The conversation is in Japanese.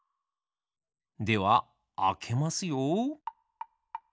ではあけますよ。